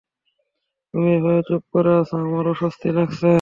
তুমি এভাবে চুপ করে আছ, আমার অস্বস্তি লাগছে।